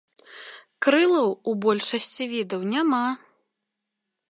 Крылаў у большасці відаў няма.